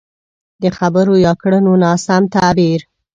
د خبرو يا کړنو ناسم تعبير.